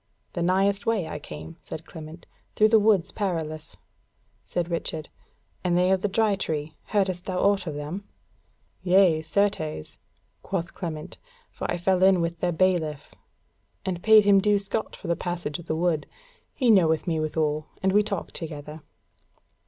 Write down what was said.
"The nighest way I came," said Clement, "through the Woods Perilous." Said Richard: "And they of the Dry Tree, heardest thou aught of them?" "Yea, certes," quoth Clement, "for I fell in with their Bailiff, and paid him due scot for the passage of the Wood; he knoweth me withal, and we talked together."